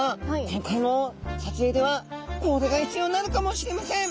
今回の撮影ではこれが必要になるかもしれません。